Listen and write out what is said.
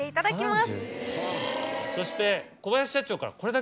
そして。